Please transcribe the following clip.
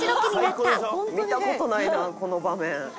「見た事ないなこの場面」